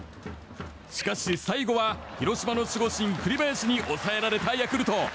しかし、最後は広島の守護神栗林に抑えられたヤクルト。